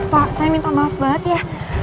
pak saya minta maaf banget ya